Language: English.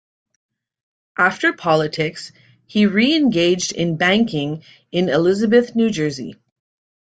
After politics, he re-engaged in banking in Elizabeth, New Jersey.